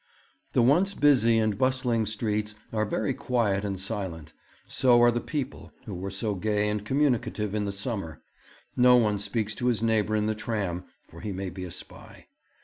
'The once busy and bustling streets are very quiet and silent; so are the people who were so gay and communicative in the summer. No one speaks to his neighbour in the tram, for he may be a spy.